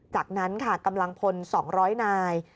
จากนั้นค่ะกำลังพล๒๐๐นาย